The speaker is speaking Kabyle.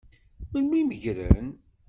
Melmi i meggren?